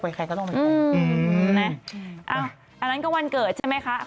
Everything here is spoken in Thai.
นะเอานั้นก็วันเกิดใช่ไหมคะ